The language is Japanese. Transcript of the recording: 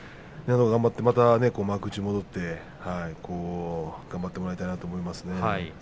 また幕内に戻って頑張ってもらいたいなと思いますね。